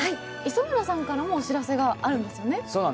磯村さんからもお知らせがあるんですよね。